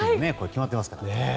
これは決まってますからね。